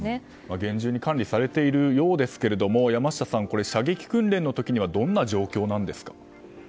厳重に管理されているようですけれども山下さん、射撃訓練の時にはどんな状況なんですか？